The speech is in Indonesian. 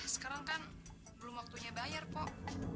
sekarang kan belum waktunya bayar kok